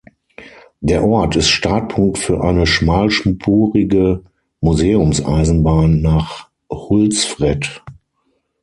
Der Ort ist Startpunkt für eine schmalspurige Museumseisenbahn nach Hultsfred.